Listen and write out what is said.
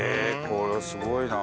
これすごいな。